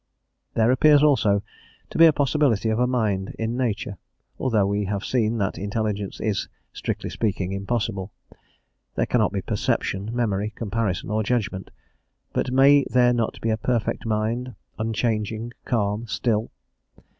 There appears, also, to be a possibility of a mind in Nature, although we have seen that intelligence is, strictly speaking, impossible. There cannot be perception, memory, comparison, or judgment; but may there not be a perfect mind, unchanging, calm, and still?